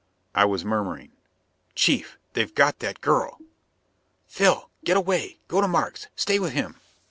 I was murmuring: "Chief, they've got that girl." "Phil, you get away! Go to Markes. Stay with him."